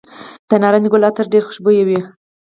د نارنج ګل عطر ډیر خوشبويه وي.